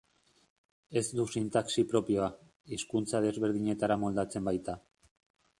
Ez du sintaxi propioa, hizkuntza desberdinetara moldatzen baita.